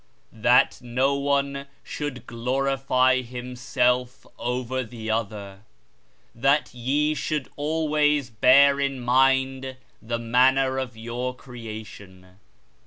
That no one should glorify himself over the other, that ye should always bear in mind the manner of your creation.